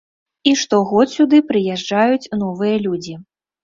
І штогод сюды прыязджаюць новыя людзі.